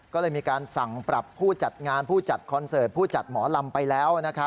ก็เลยมีการสั่งปรับผู้จัดงานผู้จัดคอนเสิร์ตผู้จัดหมอลำไปแล้ว